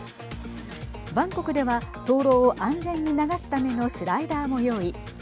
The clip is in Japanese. バンコクでは灯籠を安全に流すためのスライダーも用意。